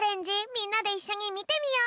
みんなでいっしょにみてみよう！